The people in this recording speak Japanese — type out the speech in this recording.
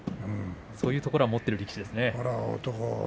そういうところは持っている力士ですね。